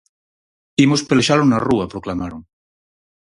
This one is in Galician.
"Imos pelexalo na rúa", proclamaron.